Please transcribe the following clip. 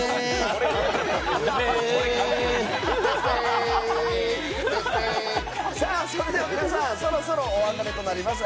それでは皆さん、そろそろお別れとなります。